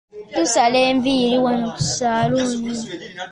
Tusala enviiri wanno ku ssaaluuni.